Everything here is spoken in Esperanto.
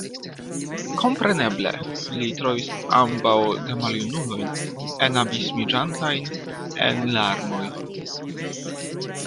Kompreneble li trovis ambaŭ gemaljunulojn enabismiĝantajn en larmoj.